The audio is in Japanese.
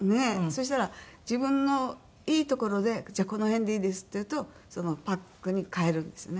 そしたら自分のいいところで「じゃあこの辺でいいです」って言うとパックに替えるんですね。